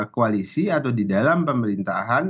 koalisi atau di dalam pemerintahan